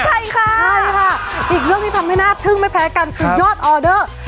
ใช่ค่ะใช่ค่ะอีกเรื่องที่ทำให้น่าทึ่งไม่แพ้กันคือยอดออเดอร์